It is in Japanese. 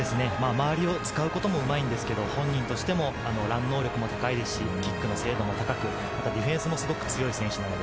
周りを使うこともうまいんですが、本人としてもラン能力も高いですし、キックの精度も高く、ディフェンスもすごく強い選手。